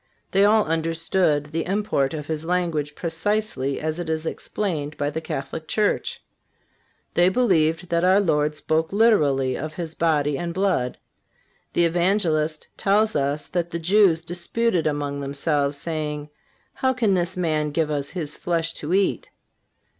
They all understood the import of His language precisely as it is explained by the Catholic Church. They believed that our Lord spoke literally of His body and blood. The Evangelist tells us that the Jews "disputed among themselves, saying: How can this man give us His flesh to eat?"